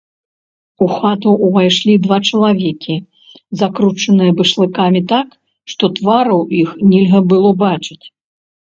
У хату ўвайшлі два чалавекі, закручаныя башлыкамі так, што твараў іх нельга было бачыць.